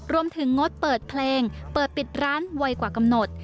งดเปิดเพลงเปิดปิดร้านไวกว่ากำหนด